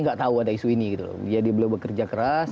tidak tahu ada isu ini gitu ya beliau bekerja keras